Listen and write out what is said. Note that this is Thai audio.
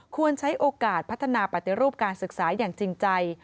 ควรใช้โอกาสพัฒนาปฏิรูปการศึกษาอย่างจริงใจ